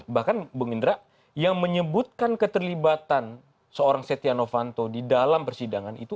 bahkan bung indra yang menyebutkan keterlibatan seorang setia novanto di dalam persidangan itu